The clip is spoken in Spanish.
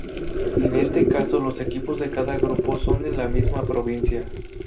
En este caso los equipos de cada grupo son de la misma provincia.